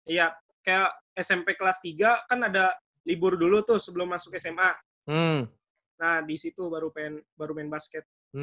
iya kayak smp kelas tiga kan ada libur dulu tuh sebelum masuk sma nah disitu baru main basket